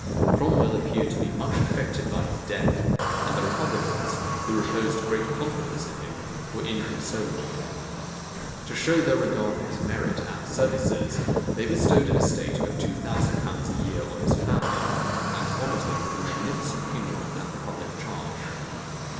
Cromwell appeared to be much affected by his death; and the republicans, who reposed great confidence in him, were inconsolable. To show their regard for his merit and services, they bestowed an estate of two thousand pounds a year on his family, and honored him with a magnificent funeral at the public charge.